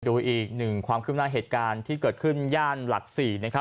ดูอีกหนึ่งความขึ้นหน้าเหตุการณ์ที่เกิดขึ้นย่านหลัก๔นะครับ